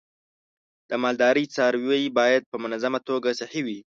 د مالدارۍ څاروی باید په منظمه توګه صحي وي.